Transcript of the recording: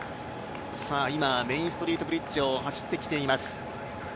今、メインストリートブリッジを走ってきています。